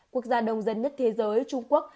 quốc gia đông dân nhất thế giới trung quốc